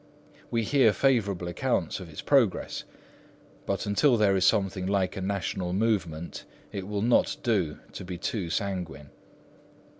We hear favourable accounts of its progress; but until there is something like a national movement, it will not do to be too sanguine.